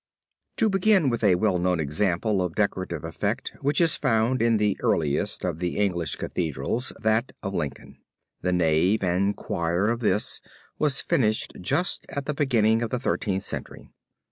To begin with a well known example of decorative effect which is found in the earliest of the English Cathedrals, that of Lincoln. The nave and choir of this was finished just at the beginning of the Thirteenth Century.